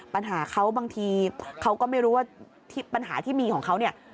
ปัญหาเขาบางทีเขาก็ไม่รู้ว่าปัญหาที่มีของเขาเนี่ย